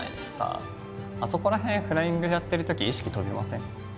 あそこら辺フライングやってるとき意識飛びません？